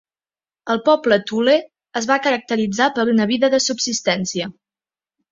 El poble Thule es va caracteritzar per una vida de subsistència.